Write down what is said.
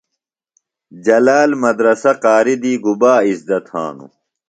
جلال مدرسہ قاریۡ دی گُبا اِزدہ تھانُوۡ؟